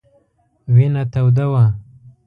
وینه توده وه.